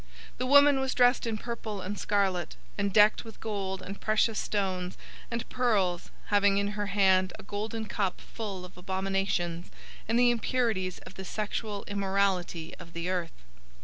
017:004 The woman was dressed in purple and scarlet, and decked with gold and precious stones and pearls, having in her hand a golden cup full of abominations and the impurities of the sexual immorality of the earth.